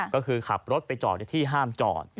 ก็คือขับรถไปจอดในที่ห้ามจอด